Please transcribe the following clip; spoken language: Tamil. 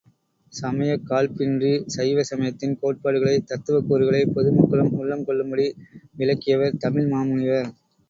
சமயக்காழ்ப்பின்றி சைவசமயத்தின் கோட்பாடுகளை, தத்துவக் கூறுகளை பொதுமக்களும் உள்ளம் கொள்ளும்படி விளக்கியவர் தமிழ் மாமுனிவர்.